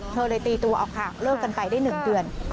เธอเลยตีตัวออกค่ะเลิกกันไปได้๑เดือน